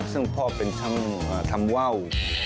ซึ่งพ่อเป็นทำว่าว